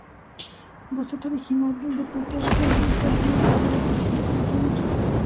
Boceto original de Peter Wilding y páginas de su libreta de apuntes en Tumblr.